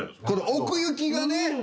この奥行きがね。